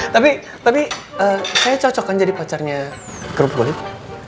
tapi saya cocok kan jadi pacarnya kerupuk gitu